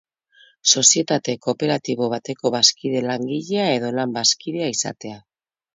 Sozietate kooperatibo bateko bazkide langilea edo lan-bazkidea izatea.